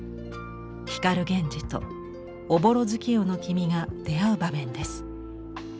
光源氏と朧月夜の君が出会う場面です。